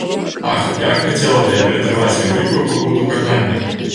Ах, як хацела б я ператрываць вялікую пакуту кахання!